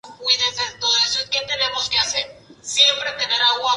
Normalmente una trama constará de cabecera, datos y cola.